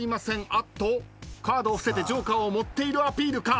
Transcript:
あっとカードを伏せてジョーカーを持っているアピールか？